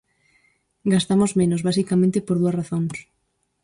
Gastamos menos, basicamente por dúas razóns.